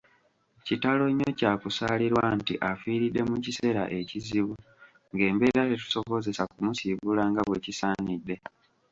Kitalo nnyo kya kusaalirwa nti afiiridde mu kiseera ekizibu ng'embeera tetusobozesa kumusiibula nga bwe kisaanidde.